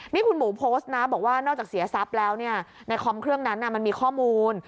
นี่คุณหมูโพสต์นะบอกว่านอกจากเสียทรัพย์แล้วในคอมเครื่องนั้นมันมีข้อมูล